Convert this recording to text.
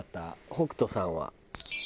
北斗さんは。